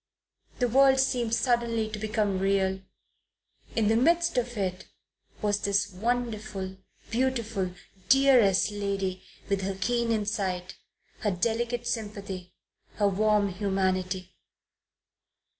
The world seemed suddenly to become real. And in the midst of it was this wonderful, beautiful, dearest lady with her keen insight, her delicate sympathy, her warm humanity.